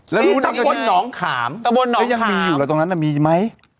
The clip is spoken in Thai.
รู้นะครับแล้วยังมีอยู่หรอตรงนั้นมีไหมตะบนหนองขาม